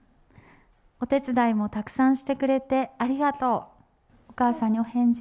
お手伝いもたくさんしてくれてありがとう。